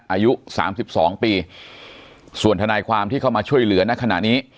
อายุสามสิบสองปีส่วนทนายความที่เข้ามาช่วยเหลือในขณะนี้